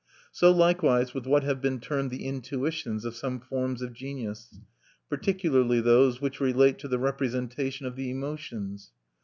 So likewise with what have been termed the "intuitions" of some forms of genius, particularly those which relate to the representation of the emotions.